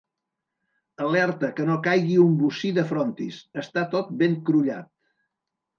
Alerta que no caigui un bocí de frontis, està tot ben crullat!